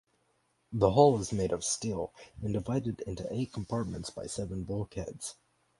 The hull is made of steel and divided into eight compartments by seven bulkheads.